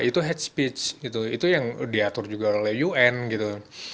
itu hate speech gitu itu yang diatur juga oleh un gitu